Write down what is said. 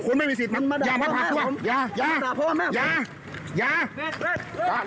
คุณไม่มีสิทธิ์อย่ามาผลักตัว